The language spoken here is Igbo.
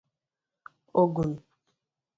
Ogun